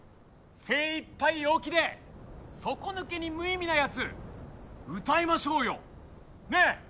精いっぱい陽気で底抜けに無意味なやつ歌いましょうよ！ねえ！